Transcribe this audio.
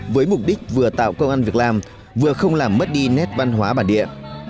với mục đích vừa tạo công an việc làm vừa không làm mất đi nét văn hóa bản địa